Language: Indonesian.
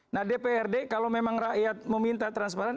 nah dprd kalau memang rakyat meminta transparan